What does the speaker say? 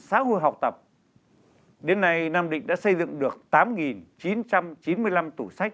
xã hội học tập đến nay nam định đã xây dựng được tám chín trăm chín mươi năm tủ sách